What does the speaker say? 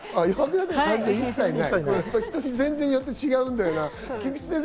人によって全然違うんだよな。